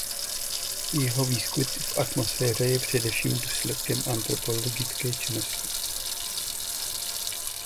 Jeho výskyt v atmosféře je především důsledkem antropogenní činnosti.